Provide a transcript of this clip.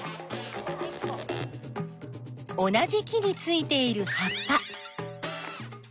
同じ木についているはっぱ。